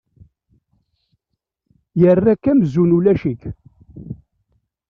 Yerra-k amzun ulac-ik.